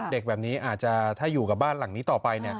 เด็กแบบนี้อาจจะถ้าอยู่กับบ้านหลังนี้ต่อไป